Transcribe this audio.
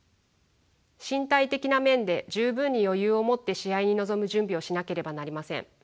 身体的な面で十分に余裕をもって試合に臨む準備をしなければなりません。